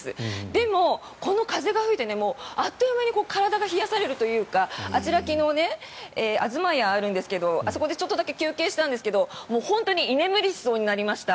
でも、この風が吹いてあっという間に体が冷やされるというかあちら、昨日東屋があるんですがあそこでちょっと休憩したんですが本当に居眠りしそうになりました。